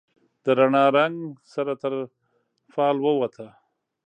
د رڼا، رنګ سره تر فال ووته